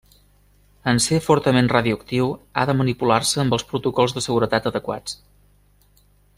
En ser fortament radioactiu ha de manipular-se amb els protocols de seguretat adequats.